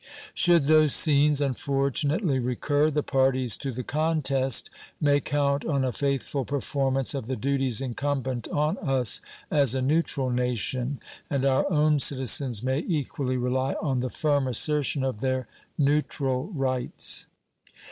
Should those scenes unfortunately recur, the parties to the contest may count on a faithful performance of the duties incumbent on us as a neutral nation, and our own citizens may equally rely on the firm assertion of their neutral rights.